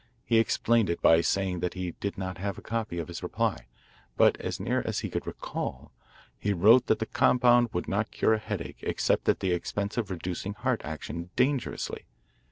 He explained it by saying that he did not have a copy of his reply, but as near as he could recall, he wrote that the compound would not cure a headache except at the expense of reducing heart action dangerously.